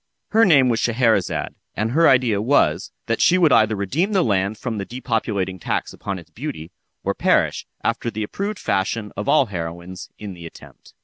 Her name was Scheherazade, and her idea was, that she would either redeem the land from the depopulating tax upon its beauty, or perish, after the approved fashion of all heroines, in the attempt.